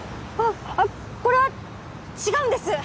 あっこれは違うんです！